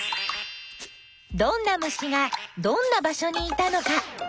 どんな虫がどんな場所にいたのか。